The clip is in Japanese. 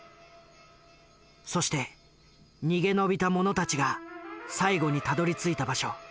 そして逃げ延びた者たちが最後にたどりついた場所